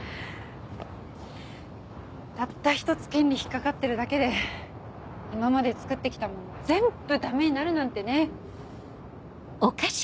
たった一つ権利引っかかってるだけで今まで作ってきたもの全部ダメになるなんてね。